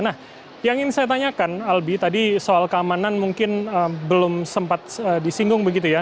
nah yang ingin saya tanyakan albi tadi soal keamanan mungkin belum sempat disinggung begitu ya